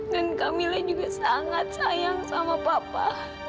dan kamilah juga sangat sayang sama papa